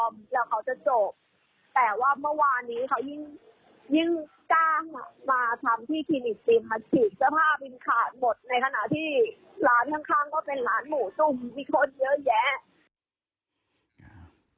มีคนเยอะแยะ